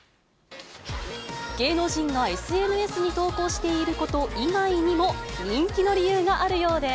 芸能人がＳＮＳに投稿していること以外にも、人気の理由があるようで。